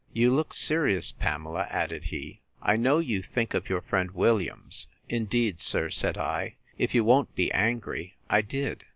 —You look serious, Pamela, added he: I know you think of your friend Williams. Indeed, sir, said I, if you won't be angry, I did.